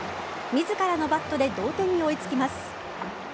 自らのバットで同点に追いつきます。